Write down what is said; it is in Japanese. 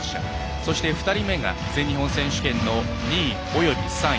そして２人目が全日本選手権の２位および３位。